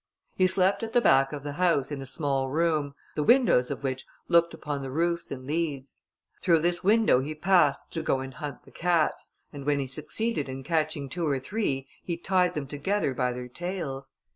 He slept at the back of the house, in a small room, the windows of which looked upon the roofs and leads. Through this window he passed to go and hunt the cats, and when he succeeded in catching two or three, he tied them together by their tails.